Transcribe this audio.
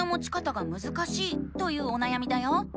というおなやみだよ。